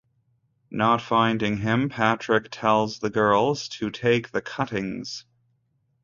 Not finding him, Patrick tells the girls to take the cuttings.